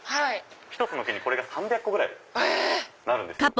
１つの木にこれが３００個ぐらいなるんですよ。